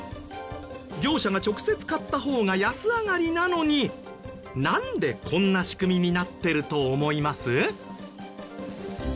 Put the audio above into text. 業者が直接買った方が安上がりなのになんでこんな仕組みになってると思います？